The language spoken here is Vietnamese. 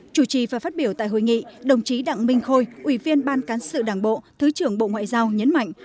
chủ trì và phát biểu tại hội nghị đồng chí đặng minh khôi ủy viên ban cán sự đảng bộ thứ trưởng bộ ngoại giao nhấn mạnh